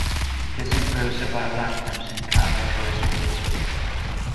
This improves survival outcomes in cardiac arrest cases.